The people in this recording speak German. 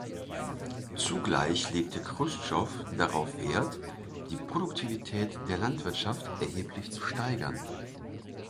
Zugleich legte Chruschtschow darauf Wert, die Produktivität der Landwirtschaft erheblich zu steigern.